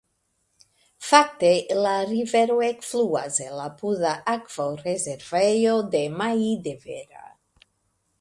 Fakte la rivero ekfluas el apuda akvorezervejo de Maidevera.